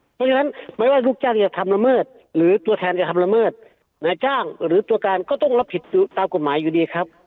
เพราะฉะนั้นไม่ว่าลูกจ้างจะทำละเมิดหรือตัวแทนจะทำละเมิดนายจ้างหรือตัวการก็ต้องรับผิดตามกฎหมายอยู่ดีครับ